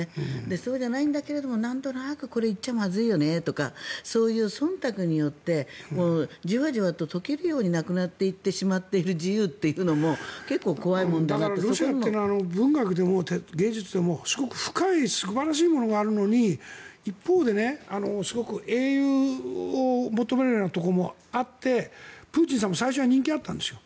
そうでないんだけどなんとなくこれは言っちゃまずいんだよねとかそういったそんたくによってじわじわと溶けるようになくなっていってしまっている自由というのもロシアは文学でも芸術でも至極深い、素晴らしいものがあるのに一方ですごく英雄を求めるようなところもあってプーチンさんも最初は人気があったんですよ。